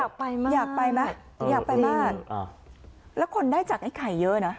อยากไปมากอยากไปไหมอยากไปมากอ่าแล้วคนได้จากไอ้ไข่เยอะนะ